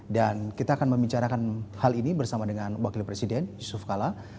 dan kita akan membicarakan hal ini bersama dengan wakil presiden yusuf kala